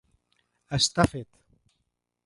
Està fet.